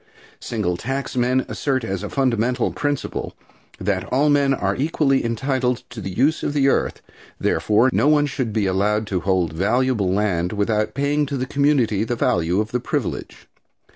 Single tax men assert as a fundamental principle that all men are equally entitled to the use of the earth; therefore, no one should be allowed to hold valuable land without paying to the community the value of the privilege.